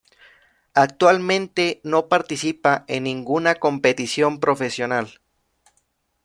Actualmente no participa en ninguna competición profesional.